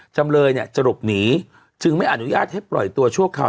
จำเลยเนี่ยจะหลบหนีจึงไม่อนุญาตให้ปล่อยตัวชั่วคราว